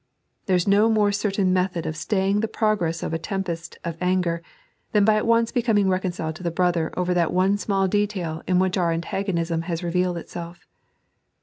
There is no more certain method of staying the progress of a tempest of anger, than by at once becoming reconciled to the brother over that one small detail in which our antagonism has revealed itself.